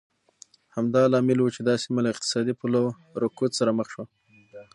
همدا لامل و چې دا سیمه له اقتصادي پلوه رکود سره مخ شوه.